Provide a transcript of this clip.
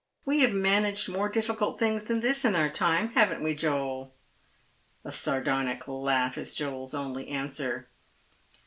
We have managed more difficult things than this in our time, haven't we, Joel ?" A sardonic laugh is Joel's only answer.